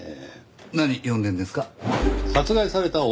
何読んでるんですか？